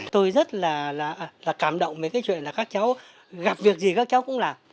tôi rất là cảm động với cái chuyện là các cháu gặp việc gì các cháu cũng làm